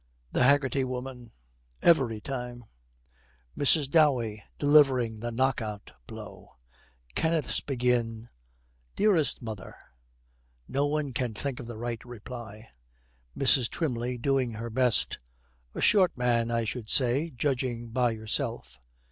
THE HAGGERTY WOMAN. 'Every time.' MRS. DOWEY, delivering the knock out blow, 'Kenneth's begin "Dearest mother.'" No one can think of the right reply. MRS. TWYMLEY, doing her best, 'A short man, I should say, judging by yourself.'